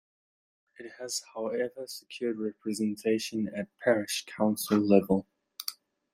It has, however, secured representation at parish council level.